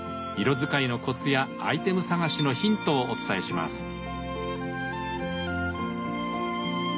色使いのコツやアイテム探しのヒントをお伝えします。